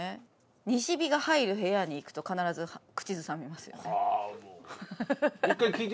西陽が入る部屋に行くと必ず口ずさみますよね。